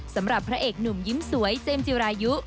สำหรับพระเอกหนุ่มยิ้มสวยเจมส์จิรายุ